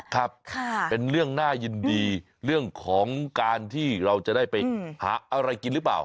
ครับเป็นเรื่องน่ายินดีเรื่องของการที่เราจะได้ไปหาอะไรกินหรือเปล่า